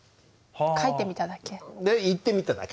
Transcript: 書いてみただけ。